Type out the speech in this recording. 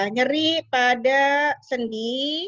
nyeri pada sendi